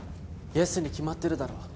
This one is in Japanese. ＹＥＳに決まってるだろ。